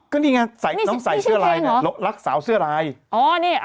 ก็นี่ไงน้องใส่เสื้อลายนี่รักสาวเสื้อลายนี่ชื่อเพลงเหรอ